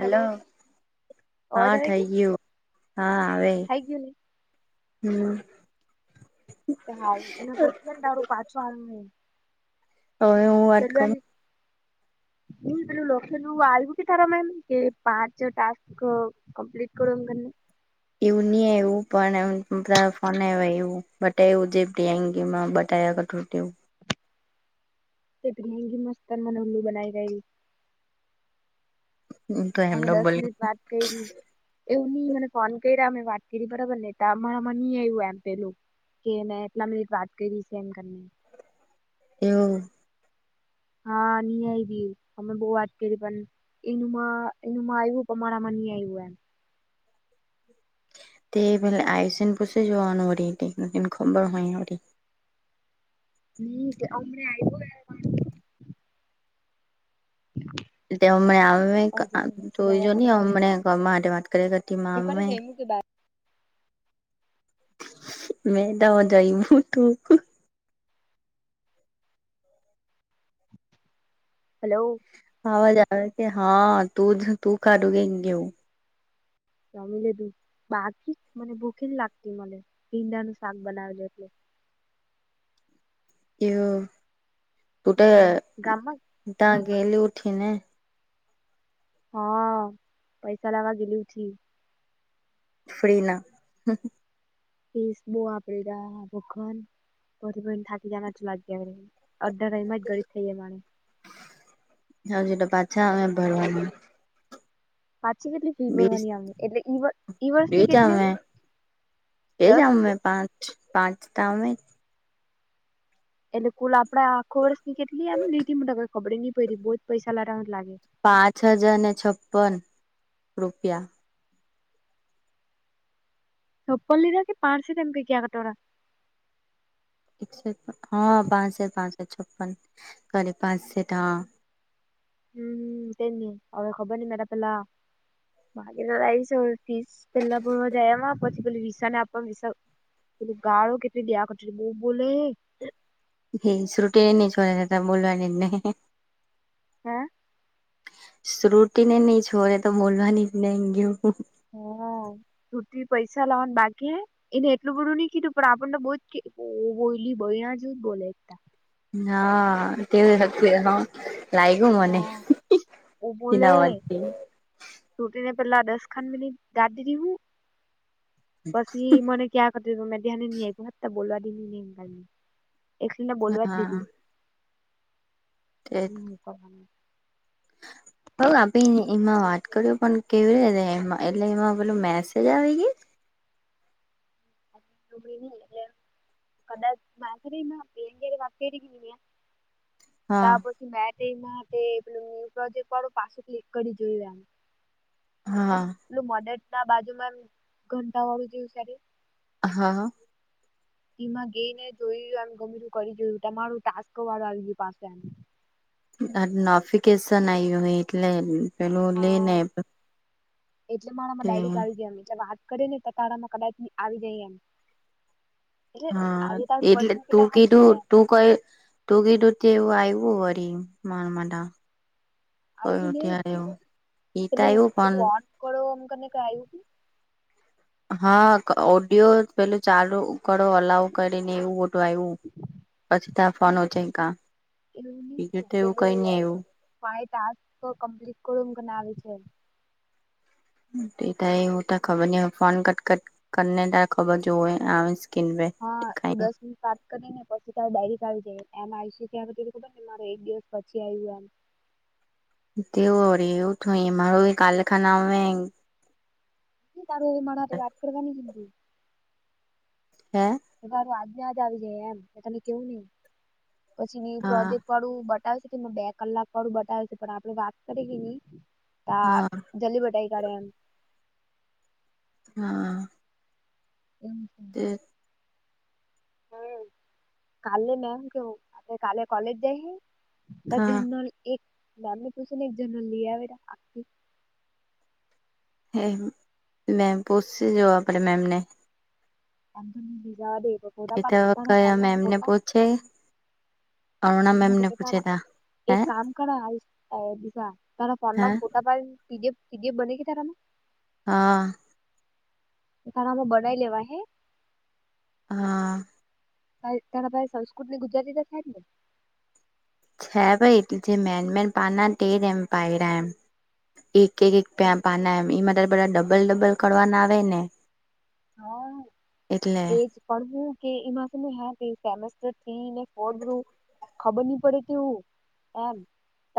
Hello, હા થઈ ગયું, હા આવે. હે ગી [unintelligible] હમ. હાલ એ પછીને તારું પાછું હાલ. તો તેલવાન હ પેલું લોખલું આવવું ક થાર એમ કે પાંચ ટાસ્ક કમ્પ્લીટ કર એવું નહી એવું પણ એ ફોન એવું બટવું જેમાં બટા તેઓ તેત મંગી મસ્તર મનલ્લુ બનાઈ રહી. તેવું તો અમે એમનો દસ બોલ મિનિટ વાત કરી. એવું નહી મને ફોન કર્યા મેં વાત કરી બરાબર ને અમાં નઈ એવું એમ પેલું. કે મેં એટલા મિનિટ વાત કરી સ એમની. એવું? હા નહી આય બી અમે બહ વાત કરી પણ એનું મા એનું મા આવવું પણમારા મની આયવું એમ. તે પે આયુ છેને પૂછી જોવાનું વરી ખબર હોયરી. ન હમને આવી ગયો. હમ [inaudible] એટ હમને આમે જોઈજો આવેલા નહી અમને માટે વાત કર કરતી માં હું કરે અમે જયમુ કે બા મેં ત હ જઈમું તું. હલો. અવાજ આવે કે હા તું જ તું કાઢું કે કેવું. જમી લેધું બાકી મને ભૂખી લાગતી મને ભીંડા નું શાક બનાવેલ એટલે હું તો હમ ગામમાં ત્યા ગેલી ઉઠીને હા પૈસા લાગ ગેલી ઉઠી ફ્રી ના ફસ બો આપડા બ પ થાકી જ તો લાગ અડધા ટાઈ માં જ ગડી થઈ જાય માણે હા જેટ પાછા આવે એમ ભરવાનું પાછી કેટલી ફી બીસ ભરવાની આવી એટલે ઈ વર્ષની કેટલી એમ એ દસ જામ કે મે પાંચતા આવે જ એટલે કુલ આપડે આખો વર્ષ ની કેટલી એમ લીધી માઈ ખબરે નઈ પ બહુ જ પૈસા લાવવા લાગે પાંચ હજાર ને છપ્પન રૂપિયા છોપલલીરા કે પાારસી તમ કે કિયા કટડા એકસઠ હા પાંચસઠ પાંસઠ છપ્પન સોરી પાંચ સેઠ હા હમ તે ન હવે ખબર ન મરા પેલા ભકી જ આવીશ હો પીસ પેલા ભરવા જાય એમાં પછી પે વિસા નાને આપવા વિ પે ગાળો કેટલી દ્યા કર બહુ બોલે હ શુટિ અનીજ હોય હતા બોવાની નહી હં શ્રુટી ને નહી છોને તો બોલવાની જ ન ગયું હ શ્રુતિ પૈસા લાવન બાકી હે એને એટલું બધું નહી કીધું પણ આપણને બહુ જ [unintelligible] બોલી બૈરા જેવું જ બોલે ના કેવું [unintelligible] લાયૌગું મને હા ઓ [unintelligible] બોલે એના અવાજતી તૂટીને પેલા દસ ખાંડ મિનિટ દાદી [unintelligible] હું પછી મને ક્યાં કરતી પ મે ધ્યાનેની હ તો બોલવા દે હીનેમ ગને એકલી ને બોલવા જ હા દીધી તે હ હલ આપે એ એમાં વાત કર્યું પણ કેવી રીતે એમાં એટલે એમાં પેલું મેસેજ આવી ગઈ ન એટલે કદાચ માધરી માં આપ અંગ વાત કરી. હા ત્યાાર પછી મેમાં પેલ ન્યુ પ્રોજેક્ટ વાળો પાછું ક્લિક કરી જોયું એમ હા. પલું મડટ ના બાજુમાં એમ ઘંટા વાળું જેયું સેતે હા હા. ટીમાં ગઈને જોય એમ ગમે તું કરી જોયું તમારું ટાસ્ક વાળું આવી ગયું પાસેમ. નોફિકેશન આ હોય એટલે પેલું લે નને હા એટલે મારામાં ડાયરીક આવી ગાયમ એટલે વાત કરી ને તારામાં કદાચ આવી જાય એમ એટલે હા આજે તારું એટલે કરીને તું કેતા હાજુ પડે કીધું તું કઈ ડૂગી ડૂતી એવું આવ્યું હોરી મારમટ કર આવ્યું ને ત્યારે એ તાયું પણ કોળો અમ કને ક આયવું તું. હા ક ઓડિયો પેલું ચાલુ કડો અલાવ કરીને એવું ઓટું આયવું પછી ત્યા ફોનો ઊંચયકા બીજું તો એવું કઈ નઈ આયવું હા એ ટાસ્ક કમ્પ્લીટ કરો કરનાવે છે. એટ એવું ત ખબર ન હો ફોન કટટ કરને ત ખબર જો આવસ હા તું દસ મિનિટ વાત. કરી ને પછી ડાયરેક આવી જાય એમ આવીશ ત્યાં ખબરને મારો એક દિવસ પછી આવ્યું એમ. તેવું વરી એવું થું મારું એ કાલખાના આવે તારું એ મારા હાતે વાત કરવાની હ્યાં ર [unintelligible] આજને જ આવી જાય એમ તને કેવું નહી પછી ન્યૂ હા પ્રોજેક્ટ વાળું બ તાર સુધી મા બે કલાક વાડું બતાવે છે પણ આપડે વાત કરીએ કે નહી તા હા જલ્દી બતાવી તારે એમ. હા. [unintelligible] એ હમ્મ કાલે મેમ કેવ આપે કાલે કોલેજ જઈએ. ને હા જનરલ એક મેમને પૂછી ને એક જર્નલ લોઈ આવે આખી હે મેમ પોછશે જ આપણે મેમને જાવા દે એત એ ત કયા મેમ ને પૂછે અરુણા મેમને પૂછે તા હ્યાં કરા આય અ બીજા તારા હે ફોનમાં ફોટા પા પી ડી એફ બને કે તારામાં? હ. તારામાં બનાઈ લેવા હૈ. હા. ભ તને ભાઈ સંસ્કૃત ને ગુજરાતી તો થાય જ ને.? છે ભાઈ એટલ જે મેન મેન પાના જ એમ પાયરા એમ. એક એક એક પ્યાં પાના એમ માં તારે બધા ડબલ ડબલ કરવાના આવે ને. હા એટલે તેજ. પું કે એે. [inaudible] ખબર નહી પડે તેવું એમ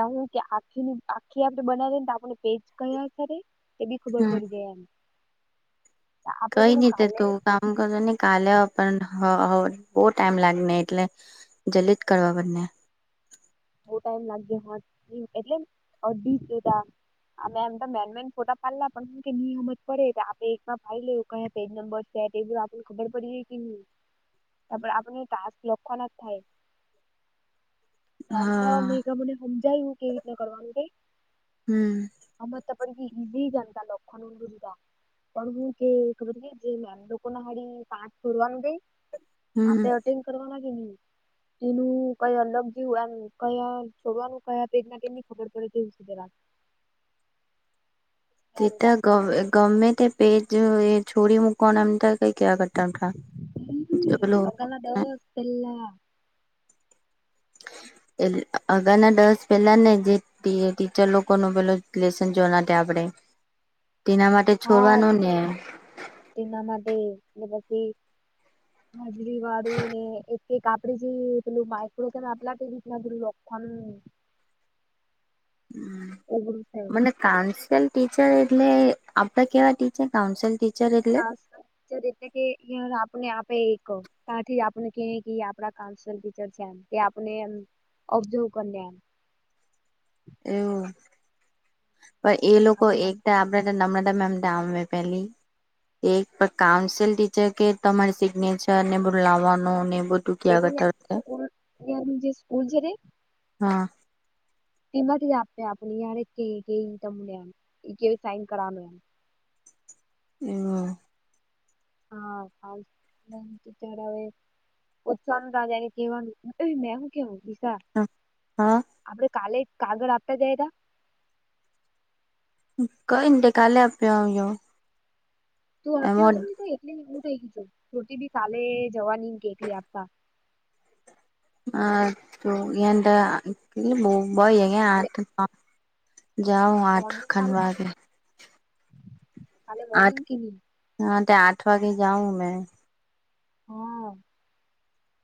હ કે આખીની આખી આપડે બનાવીને આપણે પેજ કયા કરે. એ બી ખબર હમ પડી જાય આમ. કઈ નહતે કાલે તું કામ કરજો નને કાલે પણ બહુ ટાઈમ લાગને એટલે. જલિત કરવા બંને. બ ટાઈમ લાગ્યો એટલેી જોતા. આમે એમ તો મેન મેન ફોટા પાડલા પણ નિયામત પડે આપે એક ભાઈ લેવ. કયા પેજ નંબર છે તે આપડ ખબ પડી જાય કે નહી. ત આપ ટક લક્ષણ થાય. ના તો હા મેં મને સમજાયું કેવી રીતના કરવાનું કે? હમ. હમેત પણડ જઈ જાતા લખન દુરરા. [inaudible] હુન કે ખબર જેમ કોના હારી પાચ ફડવાન ગઈ. હમ આપણે અટેન કરવા લગી ન એનું કઈ અલગ? મ કયા છોડવાનું કયા પેગમની ખબર પડે તેવું છે. તેતા ગમે ગમેમે તે પેજ છોરી મુકણ ત. કઈ ક્યા કરતા બલો.? હ દો. પેલા એ અગાના દસ પેલા ને જે ટીચર લોકો ન પેલો લેશન જોના આપણે તેના માટ. છોડવાનું ને. દના માટે દિવ. [inaudible] હાજરી વાળું ને એક એક આપડી જે પેલું માઇક્રો આપું. [inaudible] હમ. એગું છે. મને કાઉન્સલ ટીચર એટલે આપડા કેવા ટીચર કાઉન્સલ ટી ખાસ કરી કે આપને આપે એકહ. ત્યાંથી આપણે ટ આપ ઓબઝર્વ કરી લે. એવું પણ એ લોકો આપણ એકતા નમમામ પેલી. [inaudible] એક કાઉન્સેલ ટીચર કે તમારે સિગ્નેચર ને બુ લાવવાનું ને બ સ્કૂલ જે સ્કૂલ છે. હા. કમ આપે આપણી ય કે કે તમને એમ કેવી સાઈન કરવાનું એમ. હમમ હા ત્યારે હવે.? ઓછછ ત જાને કેવા મેમું કેમું વિશા.? હા હા. આપડે કાલે કાગળ આપતા જાય તો? કઈ નેટે કાલે આપ્યો આવજો. તું એમો આપીશું નલી હું થઈ ગી છોટી બી કાલે જવાની કેલી આપવા. હ તો એ બ બાઈ એ કાલે આ. [inaudible] જાઓ આઠ મોર્નિંગ ખન કાલ વાે. તાલે આઠ મર્નિંગ કવી?. હા તે આઠ વાગે જાઉં મેં. હા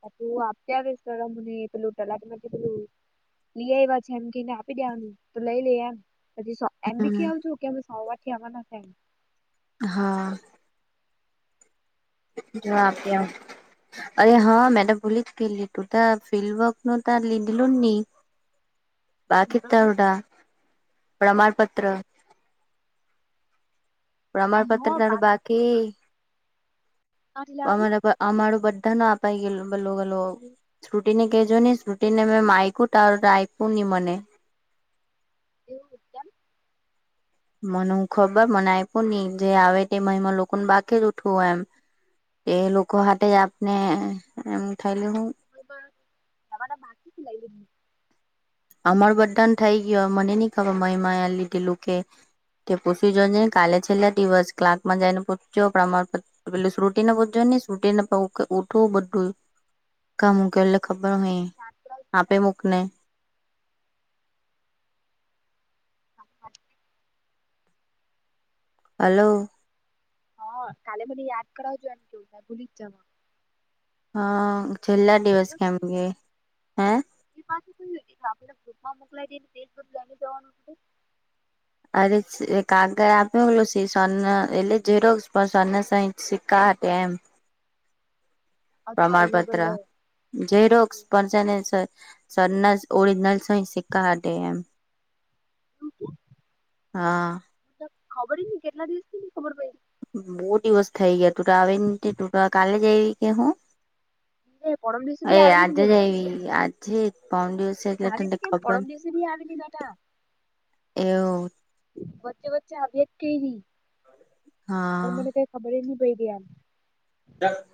[unintelligible] લઈ આવ્યા છે એમ કેય ને આપી દેવાનું તો લઈ લેય એમ પછી સો એમ બી હમ કેય આવજો કે અમે સોમવારથી આવાના છે એમ હા જવાબ કેમ અરે હા મેં તો ભૂલી જ ગેલી તું ત ફિલ્ડ વર્ક નું ત લીધલું જ ની બાકી તવડા પ્રમાણપત્ર પ્રમાણપત્ર તારું બાકી પ્રમાણ બ આ મારું બધાનું અપાઈ ગયે ભલો બલો સૃતિ ને કેજો ને સૃતિ ને મેં માયગુ તારું ત આયપુ ની મને એવુ કેમ? મને ખબર મને આપ્યું નહી જે આવે તે મહિમા લોકોને બાકી જ ઉઠવું એમ એ લોકો હાતે આપને એમ થાયલુ હું એમા જવાના બાકી શે લઈ લને અમાર બધાન થઈ ગયો મને ની ખબર મહિમા એ લીધેલું કે તે પૂછી જોને કાલે છેલ્લા દિવસ ક્લાકમાં જઈ ને પૂછજો પ્રમાણ પ પેલે શ્રૃટીને પુસજો ની સૃતિને ઓઠવું બધું કા મૂકેલું ખબર નઈ આપી મૂક ને હા હલોલ હા કાલે મને યાદ કરાવજો એમ કેમ મેં ભૂલી જવા હ છેલ્લા દિવસ કેમ કે હે એ પાછ કો આપડે ગ્રુપમાં મોકલા દઈ જ બધું લઈને જવાનું અરે કાગળ આપ્યોલો સ સો એટલે રો પણ સને સ સિક્કા એમ અચ્છા અલગ પ્રમાણપત્ર અલગ. ઝેરોક્ષ પણ શે ને છ સરનાસ ઓરિજનલ સઇ સીકા હાથે એમ હા ત ખબર જ ની કેટલા દિવસ ખબર પડી બહુ દિવસ થઇ ગયા તું તો આવી તું તો કાલે જ આવી કે હું પડી એ પરમ દિવસે બી એ આવેલી આજે જ નહી. આજે પાણ દિવસ ગાંધી છે કેમ પરમ દિવસે ભી આવેલી બેટા એવું વચ્ચે વચ્ચે આવી જ કઈ રહી પણ મને હા કઈ ખબર નહી પડી ગમ [inaudible]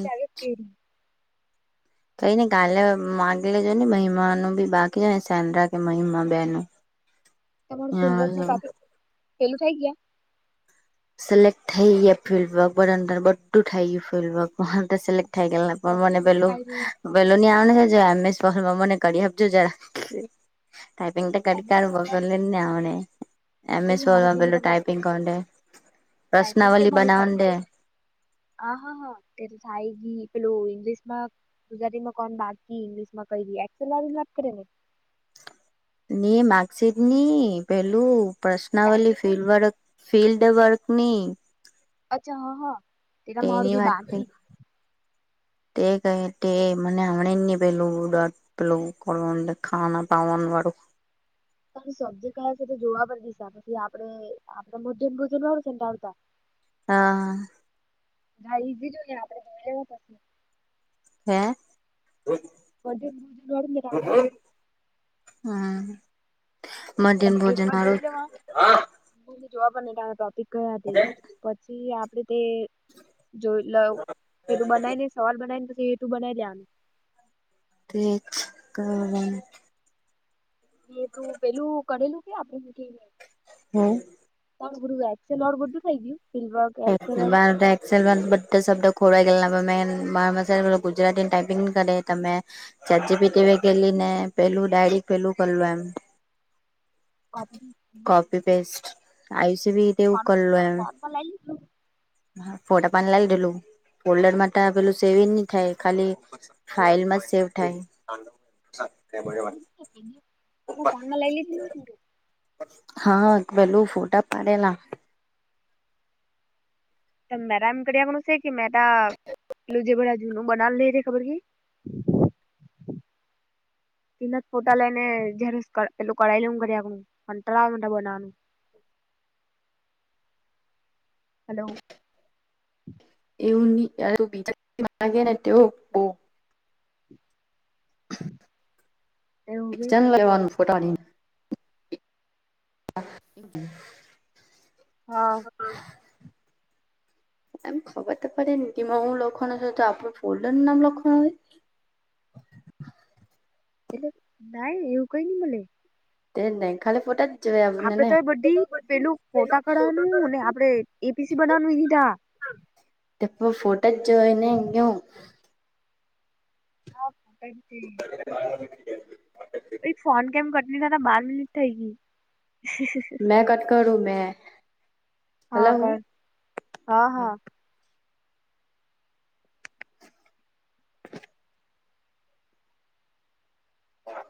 ચાલુ જ કરી કઈ નને કાલે માગે લ જો ને મહિમાનું બી બાકી જો ને સેન્રા કે મહિમા બે નું તમારું ફક ન ટોપિક પેલું થાય ગયા સિલેક્ટ થઈ ગ ફિલ્ડવર્ક બર બધું થઈ ગયું ફિલ્ડવર્કર સિલેક્ટ [unintelligible] આવ લખ્યો કાઈ નહી આપતા છે એમસમને કરી આપજો જરાક ટાઈપિંગ તો એમ એસ કડકાળ વર્ડ પગલેને આમને ઓય એમએસો હારાથી મોબાઈ મને મે ટાઈપિંગ કરું તે ટાઈપિંગ કે મળતા હા હા હા તે થાય ગી પેલુ ઈગ્લિશમાં ગુજરાતી માં કોણ બાકી ઇંગ્લિશ માં કઈ એક્સેલ વાત કરે ને ને માકસીટની પેલું પ્રશ્નાવલી ટાઈપિંગ ફિલ્લ કરી વાળ ફિલ્ડ વર્કની અચ્છા હ હ તેત મારું તેની ભી વાત થઈ બાકી તે કહે તે મને હમણે ની પેલુ ડ પેલું કોલંડ ખાના પાવાન વાળું ત શબ્દ કયા છે તો જોવા પર દસા પછી આપડે આપડ મધ્યમ ભધ વાળ સંટાડતા હા હા ઈઝી જોઈએ આપડે જોવું પ હે વધધ બધુ વરું રા આવતા હમ મધ્યન ભોજન ને જોવાને નાના ટોપિક ગયા હતી પછી આપણેે તે જો લ પે તું બનાવી લે સવાલ બનાવી ને એ તું બનાવી દે આનું તે કર એ તું પેલું ગણેેલું કે આપે સુ હમ તરું છે લોડ બધું થઈ ગયું ફિલ વર્ક એક્સેલ એ વાળું બારદ સેન બ શબ્દ ખોરા ગના મે બાર ગુજરાતીની ટાઈપિંગ કરે ત મેં ચાજી પીટી વ ગેલી ને પેલું ડાયડી પેલું કરલું એમ અ ી પેસ્ટ આયુસ બી તેવું ફન ફર બ લ હા ફોટા પાન લાવી દેલું ફલ્ડર માટે પેલું સેવિંગ નહી થાય ખાલી ફાઇલ મ જ સેવ થાય એ બ વા તારા ફોન માં લઈ લીધી હોય ને હા પેલું ફોટા પાડેલા મેરા એમ કરવાનું છે કે મેરા પલું જે ભડા જૂનું બનાવ લે રે ખબર કે તેના જ ફોટા લઈ ને જયારેલું કરાવી લે કરી આપણુંટળાવ બનાવાનું હલો [inaudible] એવની બજ લાગેને તેઓ બો હમ એ લેવાનું ફોટાની હ હા હા એમ ખબર તો પડે ને કેમાં હું લખાણ હ છ તો આપણું ફોડન નું નામ લખાણ હોય એટલે નાને એવું ક ન બોલે તે નહી ખાલી ફોટા જોયા આપણને આપડે ને તો એ બધી પેલું ફોટા કાઢવાનું ને આપડે એપીસી બનાવાનુંીધા ફોટો જ જોયને ગ હાતી મા એક ફોન કેમ કટની થ બાર મિટ થઈ ગ મેં કટ કરું મેં હા કર હા હા હા